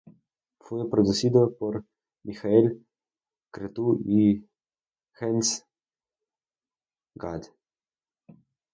Fue producido por Michael Cretu y Jens Gad.